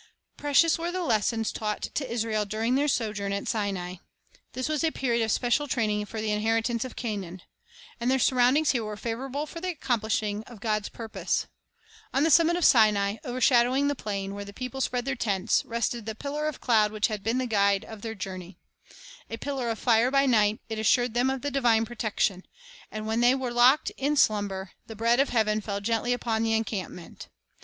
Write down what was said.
Precious were the lessons taught to Israel during their sojourn at Sinai. This was a period of special training for the inheritance of Canaan. And their sur roundings here were favorable for the accomplishing of God's purpose. On the summit of Sinai, overshadowing the plain where the people spread their tents, rested the The Education of Israel 35 pillar of cloud which had been the guide of their journey. A pillar of fire by night, it assured them of the divine protection; and while they were locked in slumber, the bread of heaven fell gently upon the encampment.